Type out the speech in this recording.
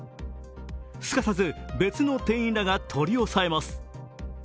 すかさず別の店員らが取り押さえます。